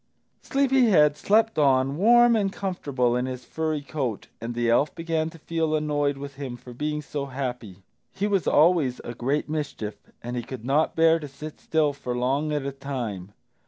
Sleepy head slept on, warm and comfortable in his furry coat, and the elf began to feel annoyed with him for being so happy. He was always a great mischief, and he could not bear to sit still for long at a time.